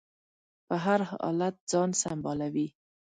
په هر حالت ځان سنبالوي.